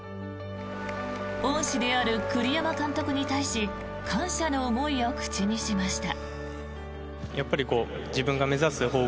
恩師である栗山監督に対し感謝の思いを口にしました。